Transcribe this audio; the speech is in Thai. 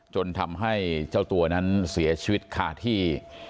จนทำให้เจ้าตัวนั้นเสียชีวิตคาที่